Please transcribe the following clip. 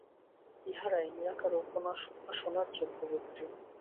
ইঁহারাই নিরাকার উপাসনার যোগ্য ব্যক্তি।